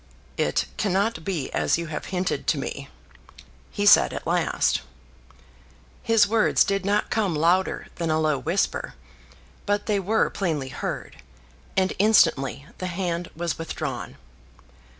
"It cannot be as you have hinted to me," he said at last. His words did not come louder than a low whisper; but they were plainly heard, and instantly the hand was withdrawn.